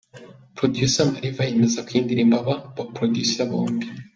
Producer Mariva yemeza ko iyi ndirimbo aba ba producer bombi.